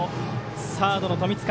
サードの富塚。